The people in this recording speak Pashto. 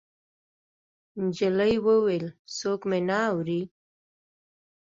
نجلۍ وويل: څوک مې نه اوري.